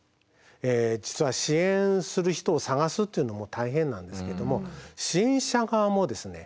実は支援する人を探すというのも大変なんですけども支援者側もですね